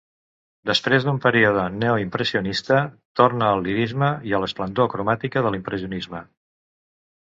Després d'un període neoimpressionista, torna al lirisme i a l'esplendor cromàtica de l'impressionisme.